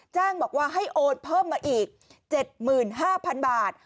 แจ้งบอกว่าให้โอนเพิ่มมาอีก๗๕๐๐๐บาท